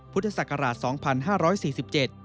พุทธศักราช๒๕๔๗